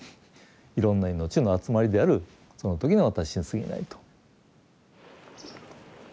いろんな命の集まりであるその時の私にすぎないと。